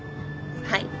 はい。